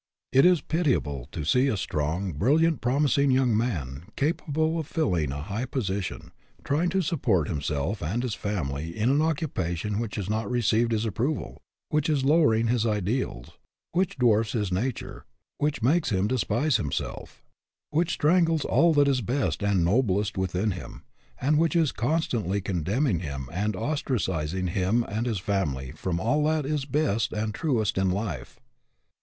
It is pitiable to see a strong, bright, promis ing young man, capable of filling a high posi tion, trying to support himself and his family in an occupation which has not received his approval, which is lowering his ideals, which dwarfs his nature, which makes him despise himself, which strangles all that is best and noblest within him, and which is constantly condemning him and ostracizing him and his family from all that is best and truest in life.